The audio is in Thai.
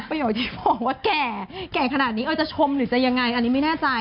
เป็นประโยชน์ที่บอกว่าแก่แก่ขนาดนี้จะชมหรือยังไงอันนี้ไม่แน่ใจ